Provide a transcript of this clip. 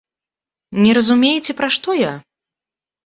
Не разумееце, пра што я?